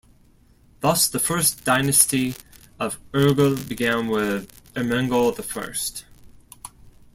Thus the first dynasty of Urgell began with Ermengol I.